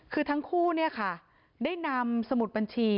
คือทั้งคู่เนี่ยค่ะได้นำสมุดบัญชี